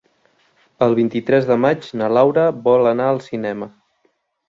El vint-i-tres de maig na Laura vol anar al cinema.